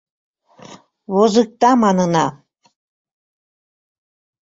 Возыкта, манына.